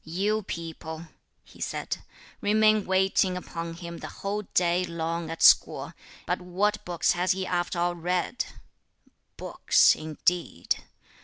"You people," he said, "remain waiting upon him the whole day long at school, but what books has he after all read? Books indeed!